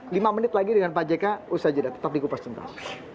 lima menit lagi dengan pak jk usai jeda tetap di kupas tuntas